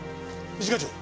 一課長。